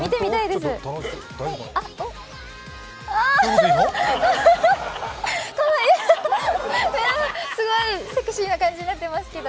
すごいセクシーな感じになってますけど。